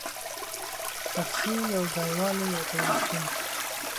شخصي یو ځای والی او پیوستون